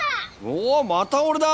おまた俺だ！